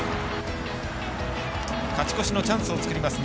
勝ち越しのチャンスを作ります